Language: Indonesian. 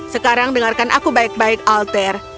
sekarang dengarkan aku baik baik alter